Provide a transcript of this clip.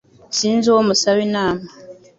Sinzi uwo musaba inama.